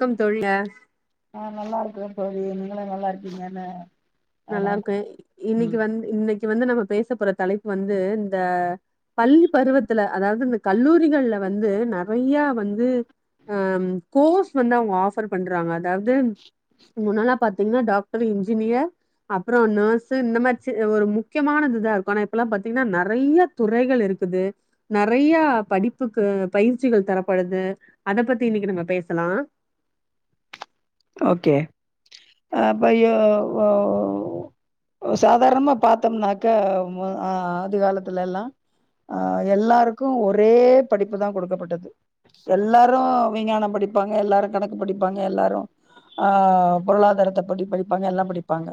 Come தொழ் அ ஆஹ் நல்லா இருக்றே தோழி நீங்களா நல்லா இருக்கீங்கன்னு அதா நல்லாருக்கே இன்னைக்கு ம் வந் இன்னைக் க்கி வந்து நம்ம பேச போற தலைப்பு வந்து இந்த பள்ளி பருவத்துல அதாவது இந்த கல்லூரிகள்ல வந்து நெறைய வந்து அஹ் கோர்ஸ் வந்து அவங்க ஆஃபர் பண்றாங்க அதாவது முன்னலா பாத்தீங்கன்னா டாக் டரு இஞ்ஜினியர் அப்றோ நர்ஸு இந்த மார்ச்சி ஒரு முக்கியமானதுதாருக்கு ஆனா இப்பலா பாத்திங்னா நெறையா துறைகள் இருக்குது நெறையா படிப்புக்கு பயிற்சிகள் தரப்படுது அத பத்தி இன்னைக்கு நம்ம பேசலா ஓகே அப்பயோ ஓ சாதாரணமா பா்த்தம்னாக்க அ ஆதி காலத்துலேல்லா அஹ் எல்லாருக்கு ஒரே படிப்புதான் கொடுக்கப்பட்டது எல்லாரு விஞ்ஞானம் படிப்பாங்க எல்லாரு கணக்கு படிப்பாங்க எல்லாரு ஆஹ் பொருளாதாரத்த பற்றி படிப்பாங்க எல்லாம் படிப்பாங்க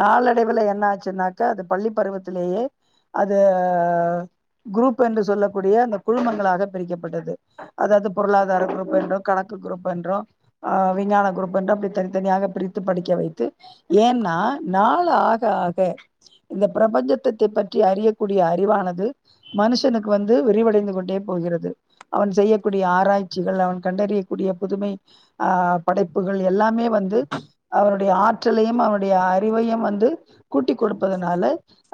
நாளடைவுல என்ன ஆச்சுன்னாக்க அது பள்ளி பருவத்திலேயே அது குரூப் என்று சொல்லக்கூடிய அந்த குழுமங்களாக பிரிக்கப்பட்டது அதாவது பொருளாதார குரூப் என்று கணக்கு குரூப் என்று ஆஹ் விஞ்ஞான குருப்பென்று அப்டியே தனித்தனியாக பிரித்து படிக்க வைத்து ஏன்னா நாள் ஆக ஆக இந்த பிரபஞ்சத்தத்தை பற்றி அறியக்கூடிய அறிவானது மனிஷனுக்கு வந்து விரிவடைந்து கொண்டே போகிறது அவன் செய்யக்கூடிய ஆராய்ச்சிகள் அவன் கண்டறியக்கூடிய புதுமை ஆஹ் படைப் ப்புகள் எல்லாமே வந்து அவனுடைய ஆற்றலையும் அவனுடைய அறிவையும் வந்து கூட்டி கொடுப்பதுனால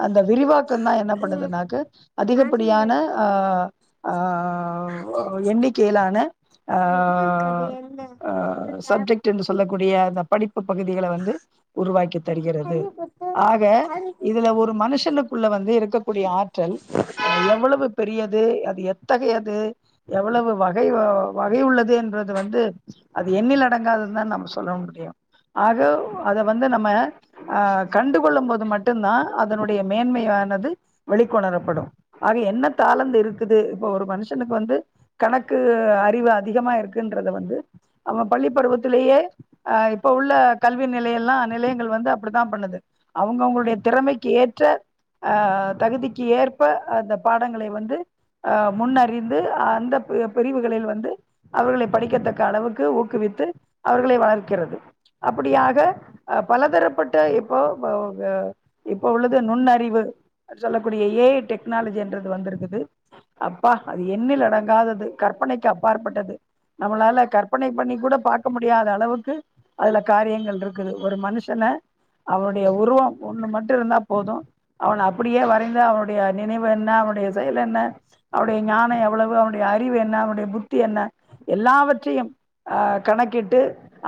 அந்த விரிவாக்கந்தா என்னா பண்ணுதுனாக்க அதிகப்படியான ஆஹ் ஆஹ் ஆம் எண்ணிக்கையிலான அஹ் அஹ் சப்ஜெக்ட் என்று சொல்லக்கூடிய அந்த படிப்பு பகுதிகள வந்து உருவாக்கி தருகிறது ஆக இதுல ஒரு மனுஷனுக்குள்ள வந்து இருக்கக்கூடிய ஆற்றல் எவ்வளவு பெரியது அது எந் த்தகைய அது எவ்வளவு வகை வ வகை உள்ளது என்றது வந்து அது எண்ணில லடங்காதுன்தா நம்ம சொல்ல முடியு ஆக அத வந்து நம்ம அ கண்டுகொள்ளும் போது மட் டுந்தா அதனுடைய மேன்மையான் னது வெளிக்கொணரப்படு ஆக என்ன தாளந்து இருக்குது இப்ப ஒரு மனுஷனுக்கு வந்து கணக்கு அறிவு அதிகமா இருக்கன்றது வந்து அவ பள்ளிப்பருவத்திலேயே அஹ் இப்போ உள்ள கல்வி நிலையல்லா நிலையங்கள் வந்து அப்டிதா பண்ணுது அவங்கவுங்களுடைய திறமைக்கு ஏற்ற அஹ தகுதிக்கு ஏற்ப அந்த பாடங்களை வந்து அஹ் முன்னறிந்து அந்த பு பிரிவுகளில் வந்து அவர்களை படிக்கத்தக்க அளவுக்கு ஊ க்குவித்து அவர்களை வளர்க்கிறது அப்படியாக அ பல தரப்பட்ட இப்போ ப வ இப்போ உள்ளது நுண்ணறிவு சொல்லக்கூடிய ஏ ஐ என்றது வந்துருக்குது அப்பா அது எண்ணிலடங்காதது கற்பனைக்கு அப்பாற்பட்டது நம்மளால கற்பனை பண்ணி கூட பாக்க முடியாத அளவுக்கு அதுல காரியங்கள் இருக்குது ஒரு மனுஷன அவனுடைய உருவம் ஒண்ணு மட்டும் இருந்தா போது அவன அப்டியே வரைந்து அவனுடைய நினைவு என்ன அவனுடைய செயல் என்ன அவருடைய ஞானம் எவ்வளவு அவனுடைய அறிவு என்ன அவனுடைய புத்தி என்ன எல்லாவற்றையும் அஹ் கணக்கிட்டு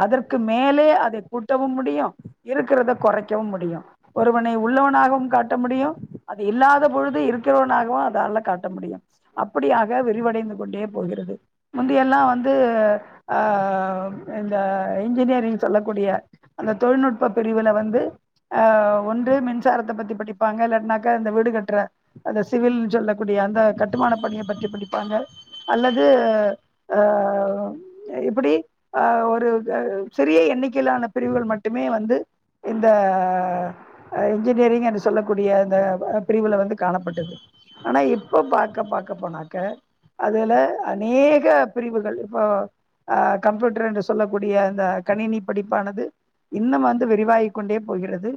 அதற்கு மேலே அதை கூட்டவும் முடியு இருக்கிறத கொறைக்கவு முடியு ஒருவனை உள்ளவனாகவும் காட்ட முடியும் அது இல்லாத பொழுது இருக்கிறவனாகவும் அதால்ல காட்ட முடியும் அப்படியாக விரிவடைந்து கொண்டே போகிறது முந்தியெல்லா வந்து ஆஹ் இந்த இன்ஜினியரிங் சொல்லக்கூடிய அந்த தொழில்நுட்ப பிரிவுல வந்து ஆஹ் ஒன்று மின்சாரத்த பத்தி படிப்பாங்க இல்லாட்னாக்க இந்த வீடுகட்டுற அந்த சிவில்னு சொல்லக்கூடிய அந்த கட்டுமானப் பணியை பற்றி படிப்பாங்க அல்லது ஆஹ் இப்படி ஆஹ் ஒரு அ சிறிய எண்ணிக்கையிலான பிரிவுகள் மட்டுமே வந்து இந்த என்ஜினியரிங் என்று சொல்லக்கூடிய அந்த பிரிவுல வந்து காணப்பட்டது ஆனா இப்பொ பாக்க பாக்க போனாக்க அதுல அநேக பிரிவுகள் இப்போ அஹ் கம்ப்யூட்டர் என்று சொல்லக்கூடிய அந்த கணினி படிப்பானது இன்னும் வந்து விரிவாகி கொண்டே போகிறது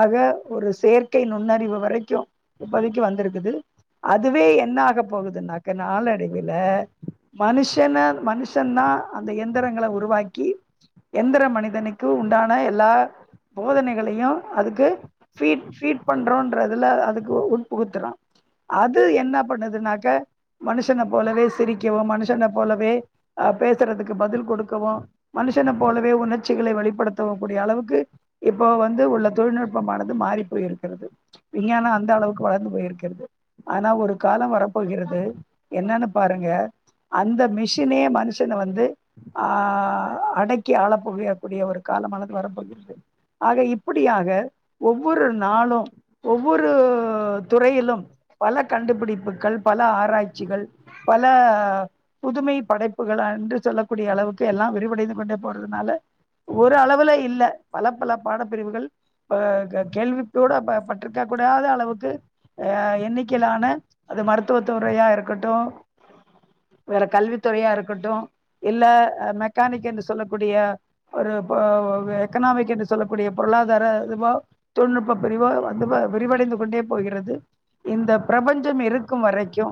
ஆக ஒரு செயற்கை நுண்ணறிவு வரைக்கு இப்போதைக்கு வந்துருக்குது அதுவே என்ன ஆக போகுதுன்னா நாளடைவில மனுஷன மனுஷ் ஷந்தா அந்த எந்திரங்கள உருவாக்கி எந்திர மனிதனுக்கு உண்டான எல்லா போதனைகளையு அதுக்கு ஃபீட் ஃபீட் பண்றோன்றதுல அதுக்கு உட்புகுத்துறா அது என்ன பண்ணுதுனாக்க மனுஷனை போலவே சிரிக்கவும் மனுஷனை போலவே அ, பேசுறதுக்கு பதில் குடுக்கவு மனுஷன போலவே உணர்ச்சிகள வெளிப்படுத்தவு கூடிய அளவுக்கு இப்போ வந்து உள்ள தொழில்நுட்பமானது மாறி போயிருக்கிறது. விஞ்ஞான அந்த அளவுக்கு வளர்ந்து போயிருக்கிறது ஆனா ஒரு காலம் வரப்போகிறது என்னன்னு பாருங்க அந்த மிஷினே மனு சன வந்து ஆ அடக்கி ஆளப் போகிறக்கூடிய ஒரு காலமானது வரப்போகிறது ஆக இப்படியாக ஒவ்வொரு நாளு ஒவ்வொரு துறையிலும் பல கண்டுபுடிப்புகள் பல ஆராய்ச்சிகள் பல புதுமை படைப் புகள் அன்று சொல்லக்கூடிய அளவுக்கு எல்லா விரிவடைந்து கொண்டே போறதுனால ஒரு அளவுல இல்ல, பல பல பாடப்பிரிவுகள் ப க கேள்விக்கூட பட்டுருக்க கூடாத அளவுக்கு அ எண்ணிக்கையிலான அது மருத்துவத்துறையா இருக்கட்டு வேற கல்வித்துறையா இருக் இருக்கட்டு இல்ல அ மெக்கானிக் என்று சொல்லக்கூடிய ஒரு பொ எக்கனாமிக் என்று சொல்லக்கூடிய பொருளாதார இதுவா தொழில்நுட்ப பிரிவா வந்து வ விரிவடைந்து கொண்டே போகிறது, இந்த பிரபஞ்சம் இருக்கும் வரைக்கு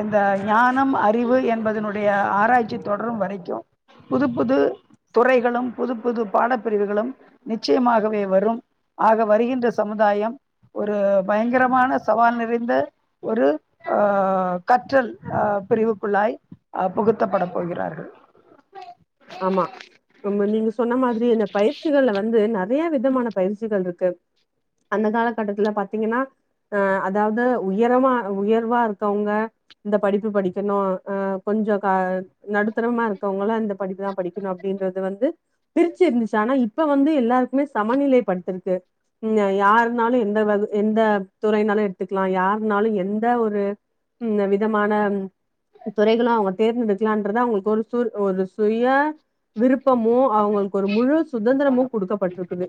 எந்த ஞானம், அறிவு என்பதனுடைய ஆ தொடரும் வரைக்கு புது புது துறைகளும் புது புது பாடப்பிரிவுகளும் நிச்சயமாகவே வரும் ஆக வருகின்ற சமுதாயம் ஒரு பயங்கரமான சவால் நிறைந்த ஒரு கற்றல் பிரிவுக்குள்ளாய் புகு த்தப்பட போகிறார்கள் ஆமா ஆமா நீங்க சொன்ன மாதிரியே இந்த பயிற்சிகள வந்து நற யா விதமான பயிற்சிகள் இருக்கு அந்த காலகட்டத்துல பாத்திங்கனா அ அதாவது உயரமா உயர்வா இருக்கவங்க இந்த படிப்பு படிக்கணு அ கொஞ்சம் கா நடுத்தரமா இருக்கவங்களா இந்த படிப்புதா படிக்கணு அப்டின்றது வந்து பிரிச்சு இருந்துச்சு ஆனா இப்ப வந்து எல்லாருக்குமே சமநிலைப்படுத்ருக்கு அ யாருனாலு எந்த வ எந்த துறைனாலு எடுத்துக்லா யாருனாலு எந்த ஒரு உ விதமான துறைகளு அவங்க தேர்ந்தெடுக்கலான்றத அவங்களுக்கு ஒரு சு ஒரு சுய விருப் ப்பமு அவங்களுக்கு ஒரு முழு சுதந்திரமோ குடுக்கப்பட்ருக்குது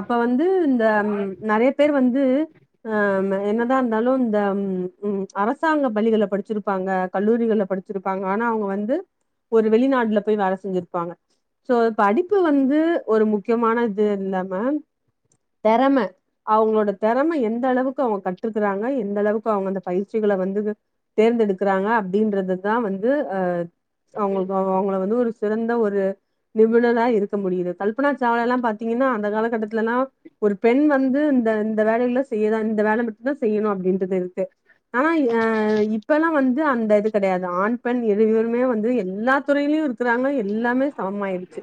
அப்ப வந்து இந்த நெறைய பேர் வந்து அ என்னதா இருந்தாலு இந்த ம் அரசாங்க பள்ளிகள்ல படிச்சிருப்பாங்க கல்லூரிகள்ல படிச்சிருப்பாங்க ஆனா அவங்க வந்து ஒரு வெளிநாடு ல போய் வேல செஞ்சிருப்பாங்க சோ படிப்பு வந்து ஒரு முக்கியமான இது இல்லாம தெறம அவங்களோட தெறம எந்த அளவுக்கு அவங்க கட்ருக்கறாங்க எந்த அளவுக்கு அவங்க அந்த பயிற்சிகள வந்து தேர்ந்தெடுக்கறாங்க அப்டின்றதுதா வந்து அ வந்து சிறந்த ஒரு நிபுணரா இருக்க முடியுது கல்னா சாவ்லாலா பாத்திங்கனா அந்த காலகாட்டத்துலல்லா ஒரு பெண் வந்து இந்த இந்த வேலைகள செய்யதா இந்த வேல மட்டுந்தா செய்யணு அப்டின்றது இருக்கு ஆனா அ இப்பெல்லா வந்து அந்த இது கெடையாது ஆண் பெண் இருவருமே வந்து எல்லா துறையிலு இருக்கறாங்க எல்லாமே சமம் ஆயிடுச்சு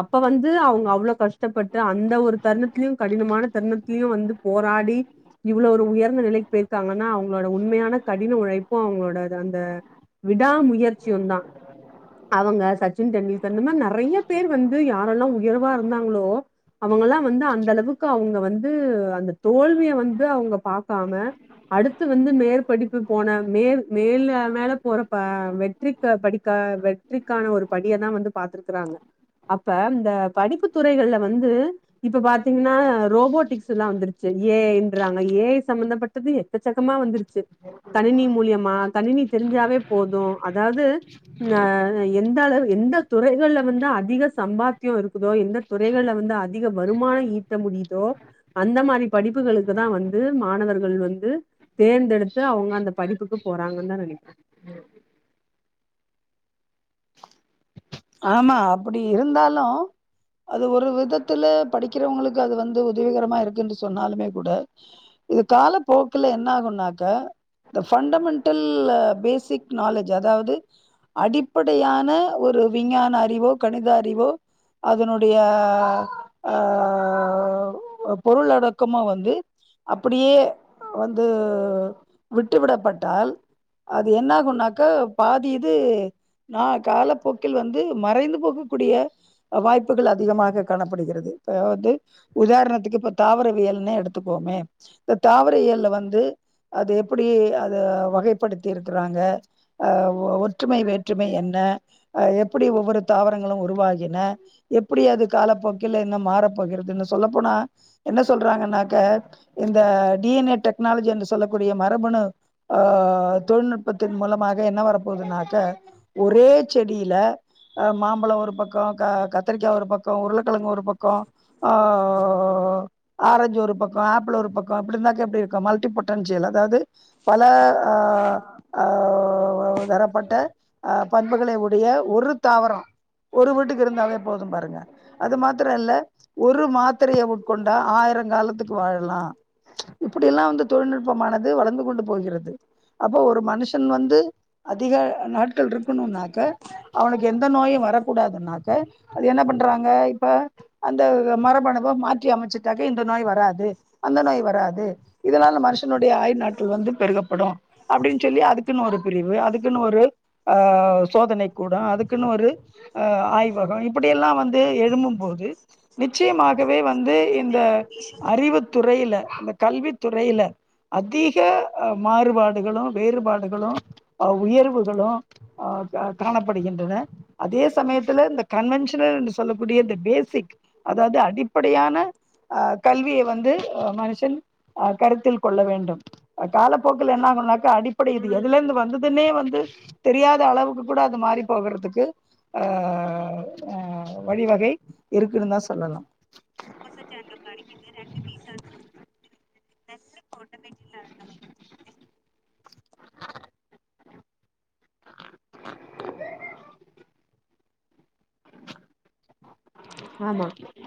அப்ப வந்து அவங்க அவ்ள கஷ்ட ப்பட்டு அந்த ஒரு தருணத்துலயு கடினமான தருணத்துலயு வந்து போராடி இவ்ளோ ஒரு உயர்ந்த நிலைக்கு போயிருக்காங்கனா அவங்களோட உண்மையான கடின உழைப்பு அவங்களோட அந்த விடா முயற்சியுந்தா அவங்க சச்சின் டெண்டுல்கர் இந்த மாரி நெறைய பேர் வந்து யாரெல்லா உயர்வா இருந்தாங்களோ அவுங்கலா வந்து அந்தளவுக்கு அவங் க வந்து அந்த தோல்விய வந்து அவங்க பாக்காம அடுத்து வந்து மேற்படிப்பு போன மேற் மேல மேல போற ப வெற்றி படிக்க வெ ற்றிக்கான ஒரு படியதா வந்து பாத்துருக்றாங்க அப்ப இந்த படிப்பு துறைகள்ல வந்து இப்ப பாத்திங்கனா ரோபோட்டிக்ஸ் எல்லா வந்துருச்சு ஏ ஐ ன்றாங்க ஏ ஐ சம்பந்தப்பட்டது எக்கச்சக்கமா வந்துருச்சு கணினி மூலயமா கணினி தெரிஞ்சாவே போது அதாது அ எந்த அளவு எந்த துறைகள்ல வந்து அதிக சம்பாத்தியோ இருக்குதோ எந்த துறைகள்ல வந்து அதிக வருமான ஈட்ட முடியுதோ அந்த மாரி படிப்புகளுக்குதா வந்து மாணவர்கள் வந்து தேர்ந்தெடுத்து அவங்க அந்த படிப்புக்கு போறாங்கன்தா நெனைக்கிறே ஆமா அப்டி இருந்தாலு அது ஒரு விதத்துல படிக்கிறவங்களுக்கு அது வந்து உதவிகரமா இருக்குன்னு சொன்னாலுமே கூட இது கால போக்குல என்ன ஆகுனாக்க இந்த ஃபண்டமெண்டடல் பேசிக் நாலேஜ் அதாவது அடிப்படையான ஒரு விஞ்ஞான அறிவோ கணித அறிவோ அதனுடைய அ பொருள் அடக்கமோ வந்து அப்படியே வந்து விட்டுவிடப்பட்டால் அது என்னாகுனாக்க பாதி இது நா காலப்போக் கில் வந்து மறைந்து போகக்கூடிய வாய்ப்புகள் அதிகமாக காணப்படுகிறது இப்ப வந்து உதாரணத்துக்கு இப்ப தாவரவியல்னே எடுத்துக்கோமே இந்த தாவரவியல்ல வந்து அது எப்படி அத வகைப்படுத்தி இருக்கறாங்க அ ஒற்றுமை வேற்றுமை என்ன எப்படி ஒவ்வொரு தாவரங்களு உருவாகின எப்படி அது காலப்போக்கில் இன்னு மாறப்போகிறதுன்னு சொல்லப்போனா என்ன சொல்றாங்கனாக்க இந்த டி என் ஏ டெக்னாலஜி என்று சொல்லக்கூடிய மரபணு ஆ தொழில்நுட்பத்தின் மூலமாக என்ன வரப்போகுதுனாக்க ஒரே செடியில மாம்பழ ஒரு பக்க க கத்தரிக்கா ஒரு பக்க உருள கெழங்கு ஒரு பக்க ஆ ஆரஞ்சு ஒரு பக்க ஆப்பிள் ஒரு பக்க இப்படி இருந்தாக்க எப்டி இருக்கு மல்டிபொட்டன்ஷியல் அதாது பல அ அ தரப்பட்ட ப ண்புகளை உடைய ஒரு தாவர ஒரு வீட்டுக்கு இருந்தாவே போதும் பாருங்க அது மாதிரில்ல ஒரு மாத்திரைய உட்கொண்டா ஆயரங் காலத்துக்கு வாழலா இப்பிடியெல்லா வந்து தொழில்நுட்பமானது வளர்ந்து கொண்டு போகிறது அப்ப ஒரு மனுஷன் வந்து அதிக நாள் இருக்கணுனாக்க அவனுக்கு எந்த நோயு வரக்கூடாதுனாக்க அது என்ன பண்றாங்க இப்ப அந்த மரபணுவ மாற்றி அமைச்சுட்டாக்க இந்த நோய் வராது அந்த நோய் வராது இதனால மனுஷனுடைய ஆயுள் நாட்கள் வந்து பெருகப்படு அப்டின் சொல்லி அதுக்குனு ஒரு பிரிவு அதுக்குன் ஒரு ஆ சோதனை கூட அதுக்குன்னு ஒரு ஆய்வக இப்பிடியெல்லா வந்து எழும்பும்போது நிச்சயமாகவே வந்து இந்த அறிவுத்துறையில கல்வித்துறையில அதிக மாறுபாடுகளு வேறுபாடுகளு உயர்வுகளு ஆ ஆ காணப்படுகின்றன அதே சமயத்துல இந்த கன்வென்ஷனல் என்று சொல்லக்கூடிய இந்த பேசிக் அதாது அடிப்படையான அ கல்விய வந்து மனுஷன் அ கருத்தில் கொள்ள வேண்டும் காலப்போக்கில் என்னாகும்னாக்கா அடிப்படை இது எதுலேந்து வந்துதுன்னே வந்து தெரியாத அளவுக்கு கூட அது மாறிப் போகறதுக்கு ஆ வழிவகை இருக்குன்னு தா சொல்லலா [unintelligible] கடைக்கிதுரெண்டு ஆமா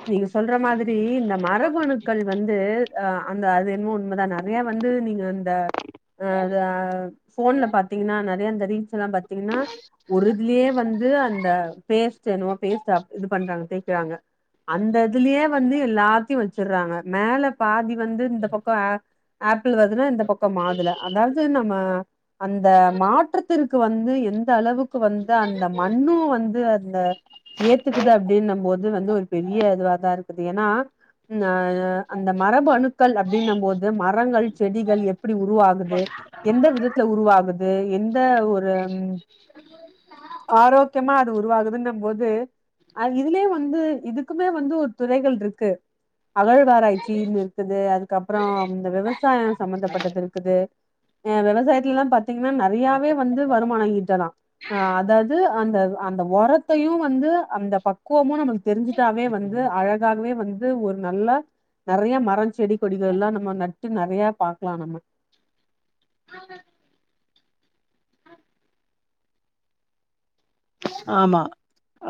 நீங்க சொல்ற மாதிரி இந்த மரபணுக்கள் வந்து ஆ அந்த அது என்னமோ உண்மதா நறையா வந்து நீங்க இந்த ஆ ஃபோன்ல பாத்தீங்கன்னா நறையா இந்த ரீல்ஸ் எல்லா பாத் தீங்கன்னா ஒருதுலியே வந்து அந்த பேஸ் என்னமோ பேஸ இது பண்றாங்க பேஸ் ங்க அந்த இதுலயே வந்து எல்லாத்தையும் வச்சிட்றாங்க மேல பாதி வந்து இந்த பக்கோ அப் பிள் வருதுன்னா இந்த பக்கோ மாதுள அதாவது நம்ம அந்த மாற்றத்திற் கு வந்து எந்த அளவு க்கு வந்தா அந்த மண்ணு வந்து இந்த ஏத்துக்குதா அப்டின்னு நம்ப ஒரு இது வந்து ஒரு பெரிய இதுவா தா இருக்குது ஏன்னா ஆ அந்த மரபு அணுக் கள் அப்டின்ன போது மரங்கள் செடிகள் எப்டி உருவாகுது எந்த விதத்துல உருவாகுது து எந்த ஒரு உருவாகுதுன்ற போது அது இதுலயே வந் வந்து இதுக்குமே வந்து ஒரு துறைகள் இருக்கு அகழ்வராய்ச்சி இது இருக்குது அதுக்கப்பொற இந்த விவசாய சம்பந்தப்பட்டது இருக்குது அ வெவசாயத்லலா பாத் பாத்தீங்கன்னா நெறையாவே வந்து வருமான ஈட்ட லா அ அதாவது அந்த அந்த உரத்தையு வந்து அந்த பக்குவமு நமக்கு தெரிஞ்சுட்டாவே வந்து அழகாகவே வந்து து ஒரு நல்ல நெறைய மரோ செடி கொடிக யெல்லா நம்ம நட்டு நெறய பாக்கலா நம்ம ஆஹ [unintelligible] ஆமா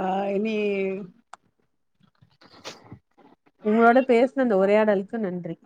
ஆ இனி உங்களோட பேஸ்ன இந்த உரையாடலுக்கு நன்றி